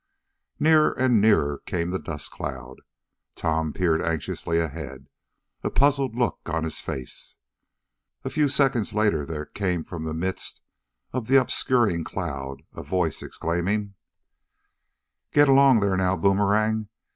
Nearer and nearer came the dust cloud. Tom peered anxiously ahead, a puzzled look on his face. A few seconds later there came from the midst of the obscuring cloud a voice, exclaiming: "G'lang there now, Boomerang!